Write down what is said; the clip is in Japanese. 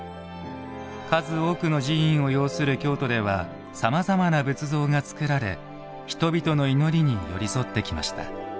数多くの寺院を擁する京都ではさまざまな仏像が造られ人々の祈りに寄り添ってきました。